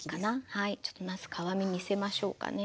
ちょっとなす皮目見せましょうかね。